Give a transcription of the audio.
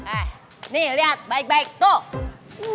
eh nih lihat baik baik tuh